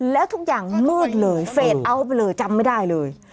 แล้วทุกอย่างมืดเลยเฟสเอาไปเลยจำไม่ได้เลย